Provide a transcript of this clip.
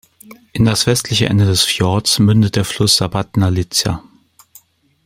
In das westliche Ende des Fjords mündet der Fluss Sapadnaja Liza.